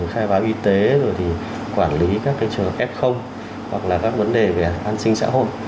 khai báo y tế rồi thì quản lý các trường hợp f hoặc là các vấn đề về an sinh xã hội